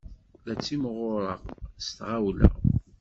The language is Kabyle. La ttimɣureɣ s tɣawla.